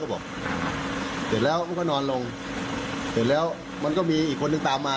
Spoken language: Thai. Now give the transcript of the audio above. เขาบอกเด็ดแล้วมันก็นอนลงเด็ดแล้วมันก็มีอีกคนหนึ่งตามมา